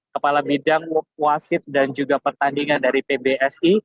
kepala bidang wasit dan juga pertandingan dari pbsi